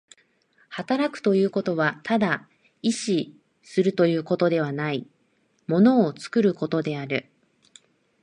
働くということはただ意志するということではない、物を作ることである。